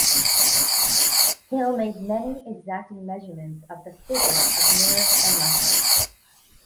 Hill made many exacting measurements of the physics of nerves and muscles.